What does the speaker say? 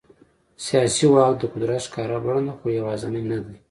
سیاسي واک د قدرت ښکاره بڼه ده، خو یوازینی نه دی.